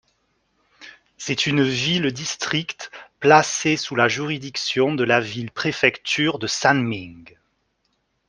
C'est une ville-district placée sous la juridiction de la ville-préfecture de Sanming.